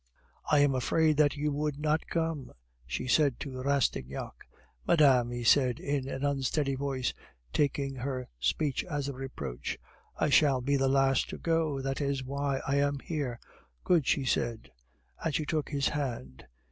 "I was afraid that you would not come," she said to Rastignac. "Madame," he said, in an unsteady voice, taking her speech as a reproach, "I shall be the last to go, that is why I am here." "Good," she said, and she took his hand.